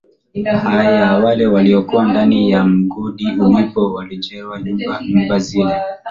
haya wale waliokuwa ndani ya mgodi ulipo wamejengewa nyumba nyumba zile